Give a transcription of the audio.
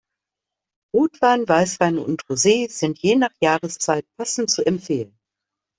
Rotwein, Weißwein und Rosé sind je nach Jahreszeit passend zu empfehlen.